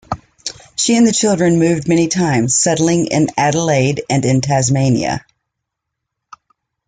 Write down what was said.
She and the children moved many times, settling in Adelaide and in Tasmania.